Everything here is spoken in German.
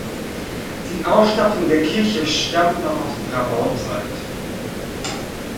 Die Ausstattung der Kirche stammt noch aus ihrer Bauzeit.